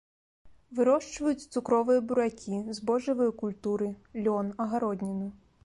Вырошчваюць цукровыя буракі, збожжавыя культуры, лён, агародніну.